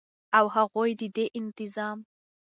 او هغوى ددوى انتظام كوي